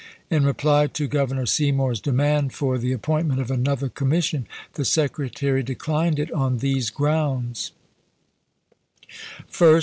In reply to Governor Seymour's demand for the appointment of another commission, the Secretary declined it on these grounds : First.